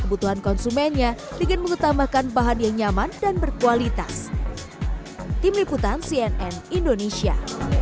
kebutuhan konsumennya dengan mengutamakan bahan yang nyaman dan berkualitas tim liputan cnn indonesia